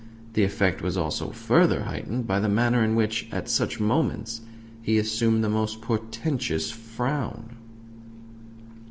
The effect was also further heightened by the manner in which, at such moments, he assumed the most portentous frown.